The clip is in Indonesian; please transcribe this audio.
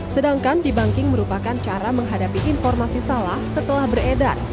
sedangkan debunking merupakan cara menghadapi informasi salah setelah beredar